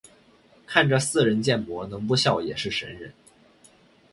看着似人建模能不笑也是神人